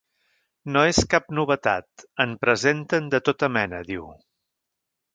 No és cap novetat, en presenten de tota mena, diu.